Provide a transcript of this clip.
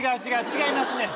違いますね。